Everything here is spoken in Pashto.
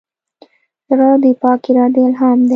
زړه د پاک ارادې الهام دی.